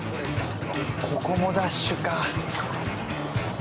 ここもダッシュか。